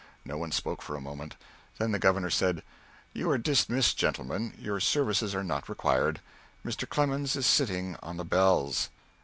No one spoke for a moment. Then the Governor said: "You are dismissed, gentlemen. Your services are not required. Mr. Clemens is sitting on the bells."